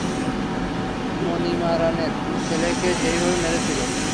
মানিমারানের ছেলেকে সেভাবেই মেরেছিল।